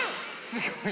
すごい！